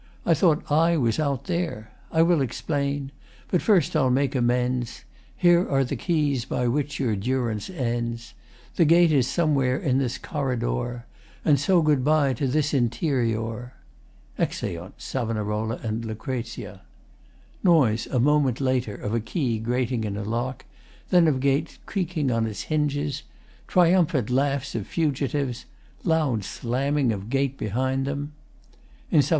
I thought I was out there. I will explain but first I'll make amends. Here are the keys by which your durance ends. The gate is somewhere in this corridor, And so good bye to this interior! [Exeunt SAV. and LUC. Noise, a moment later, of a key grating in a lock, then of gate creaking on its hinges; triumphant laughs of fugitives; loud slamming of gate behind them. In SAV.